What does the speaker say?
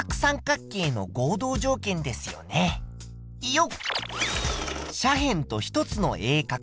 よっ！